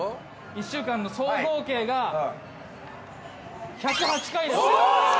１週間の総合計が１０８回です